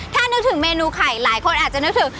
ถ้านึกถึงเมนูไข่หลายคนอาจจะนึกถึง